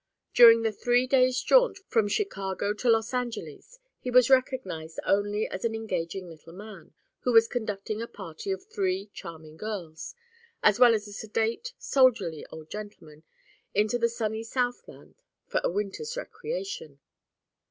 During the three days' jaunt from Chicago to Los Angeles he was recognized only as an engaging little man who was conducting a party of three charming girls, as well as a sedate, soldierly old gentleman, into the sunny Southland for a winter's recreation.